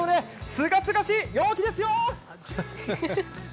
すがすがしい陽気ですよ！